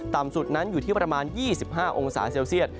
ต่ำสุดนั้นอยู่ที่ประมาณ๒๕องศาเซลเซียต